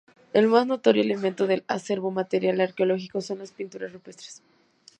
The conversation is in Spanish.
El más notorio elemento del acervo material arqueológico son las pinturas rupestres.